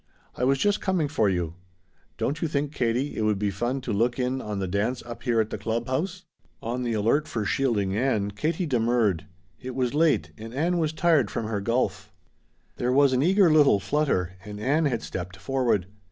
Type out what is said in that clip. "I was just coming for you. Don't you think, Katie, it would be fun to look in on the dance up here at the club house?" On the alert for shielding Ann, Katie demurred. It was late, and Ann was tired from her golf. There was an eager little flutter, and Ann had stepped forward.